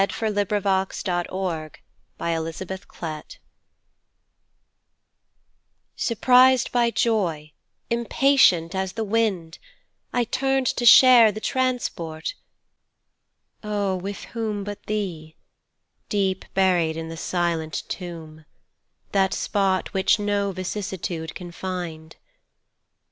"SURPRISED BY JOY IMPATIENT AS THE WIND" Surprised by joy impatient as the wind I turned to share the transport Oh! with whom But Thee, deep buried in the silent tomb, That spot which no vicissitude can find?